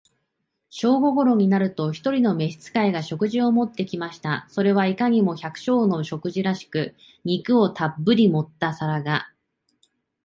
正午頃になると、一人の召使が、食事を持って来ました。それはいかにも、お百姓の食事らしく、肉をたっぶり盛った皿が、